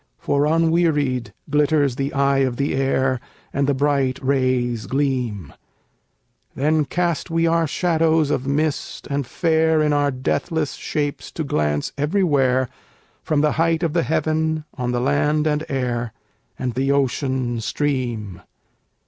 For unwearied glitters the Eye of the Air, And the bright rays gleam; Then cast we our shadows of mist, and fare In our deathless shapes to glance everywhere From the height of the heaven, on the land and air, And the Ocean Stream.